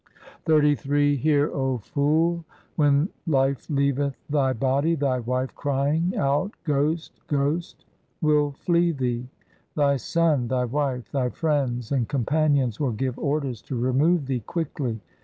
XXXIII Hear, 0 fool, when life leaveth thy body, thy wife crying out ' Ghost, ghost ', will flee thee. Thy son, thy wife, thy friends, and companions will give orders to remove thee quickly.